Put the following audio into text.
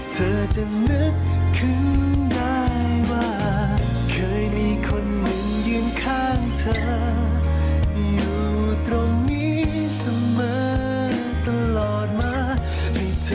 สแตมก็จะมีเหตุผลครับ